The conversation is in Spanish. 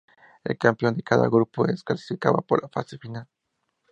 El campeón de cada grupo se clasificaba para la Fase final.